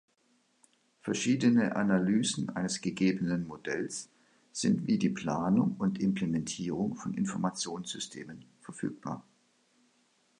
Verschiedene Analysen eines gegebenen Modells sind wie die Planung und Implementierung von Informationssystemen verfügbar.